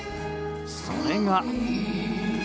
それが。